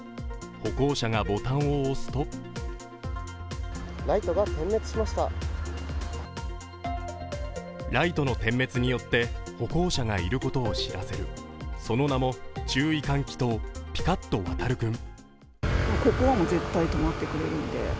歩行者がボタンを押すとライトの点滅によって歩行者がいることを知らせるその名も、注意喚起灯＝ぴかっとわたるくん。